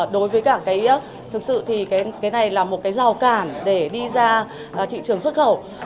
đối với cả thực sự thì cái này là một rào cản để đi ra thị trường xuất khẩu